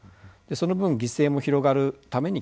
その分犠牲も広がるために厳しいと。